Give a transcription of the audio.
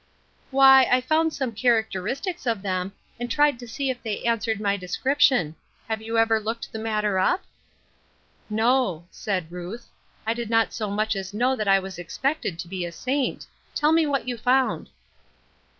" Why I found some characteristics of them, and tried to see if they answered my descrip tion. Have you ever looked the matter up ?"" No," said Ruth, " I did not so much as know that I was expected to be a saint ; tell me what you found."